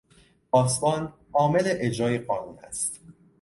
پاسبان، عامل اجرای قانون است.